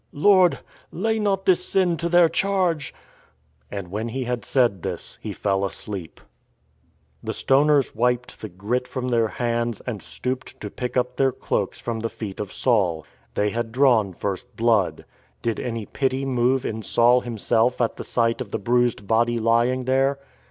" Lord, lay not this sin to their charge." And when he had said this he fell asleep. The stoners wiped the grit from their hands and stooped to pick up their cloaks from the feet of Saul. They had drawn first blood. Did any pity move in Saul himself at the sight of the bruised body lying there?